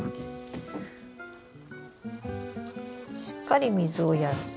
しっかり水をやって。